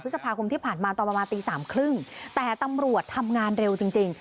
พฤษภาคมที่ผ่านมาตอนประมาณตีสามครึ่งแต่ตำรวจทำงานเร็วจริงจริง